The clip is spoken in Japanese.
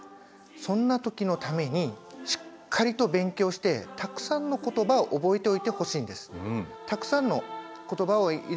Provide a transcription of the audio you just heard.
そんな時のためにしっかりと勉強してたくさんの言葉を覚えておいてほしいんです。